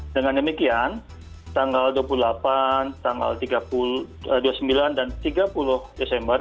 dengan demikian tanggal dua puluh delapan tanggal dua puluh sembilan dan tiga puluh desember